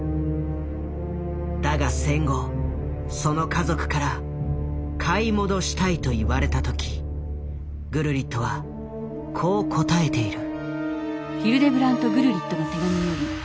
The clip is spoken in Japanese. だが戦後その家族から買い戻したいと言われた時グルリットはこう答えている。